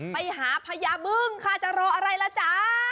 ไปหาพญาบึ้งค่ะจะรออะไรล่ะจ๊ะ